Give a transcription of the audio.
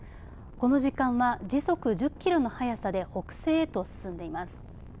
この時間は時速１０キロの速さで北西へと進んでいます。